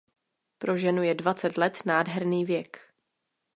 Pro ženu je dvacet let nádherný věk.